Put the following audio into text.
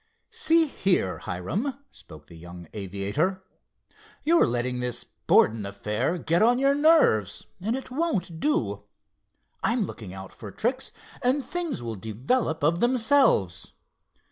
"See here, Hiram," spoke the young aviator, "you're letting this Borden affair get on your nerves, and it won't do. I'm looking out for tricks, and things will develop of themselves.